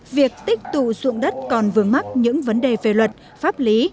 việc tích tụ dụng đất còn vướng mắt những vấn đề về luật pháp lý